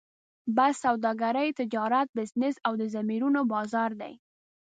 بس سوداګري، تجارت، بزنس او د ضمیرونو بازار دی.